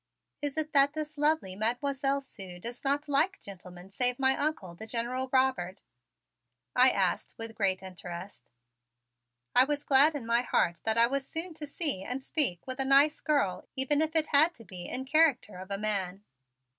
"Is it that this lovely Mademoiselle Sue does not like gentlemen save my Uncle, the General Robert?" I asked with great interest. I was glad in my heart that I was soon to see and speak with a nice girl even if it had to be in character of a man.